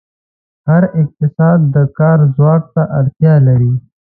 هر اقتصاد د کار ځواک ته اړتیا لري.